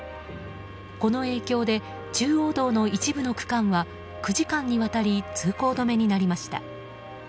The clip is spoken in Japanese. この影響で中央道の一部の区間は９時間にわたり通行止めになりました。